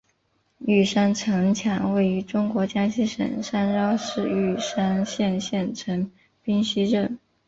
玉山城墙位于中国江西省上饶市玉山县县城冰溪镇。